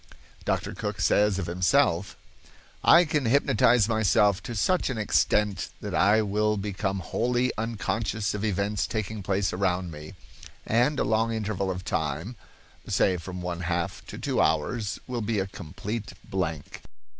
Dr. Cooke says of himself: "I can hypnotize myself to such an extent that I will become wholly unconscious of events taking place around me, and a long interval of time, say from one half to two hours, will be a complete blank.